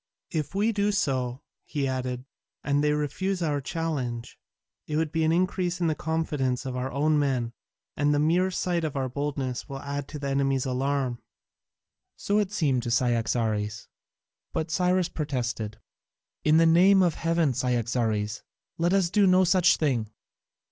If we do so," he added, "and they refuse our challenge, it will increase the confidence of our own men, and the mere sight of our boldness will add to the enemy's alarm." So it seemed to Cyaxares, but Cyrus protested: "In the name of heaven, Cyaxares, let us do no such thing.